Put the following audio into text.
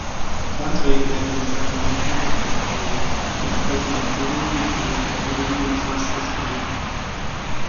Die Anträge werden nunmehr erneut Gutachtern vorgelegt, die entsprechende Empfehlungen an den Bewilligungsausschuss geben.